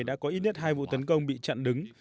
đã có ít nhất hai vụ tấn công bị chặn đứng